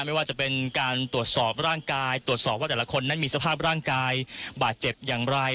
ไม่ว่าจะเป็นการตรวจสอบร่างกายตรวจสอบว่าแต่ละคนนั้นมีสภาพร่างกายบาดเจ็บอย่างไร